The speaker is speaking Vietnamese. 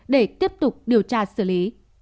để tiếp tục điều tra xử lý